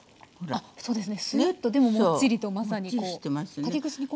あっそうですね。